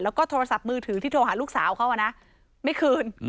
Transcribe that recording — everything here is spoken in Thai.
แล้วก็โทรศัพท์มือถือที่โทรหาลูกสาวเขานะไม่คืน